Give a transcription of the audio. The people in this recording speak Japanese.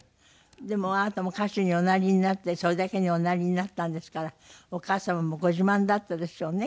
でもあなたも歌手におなりになってそれだけにおなりになったんですからお母様もご自慢だったでしょうねきっとね。